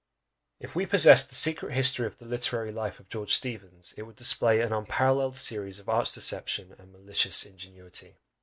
If we possessed the secret history of the literary life of George Steevens, it would display an unparalleled series of arch deception and malicious ingenuity.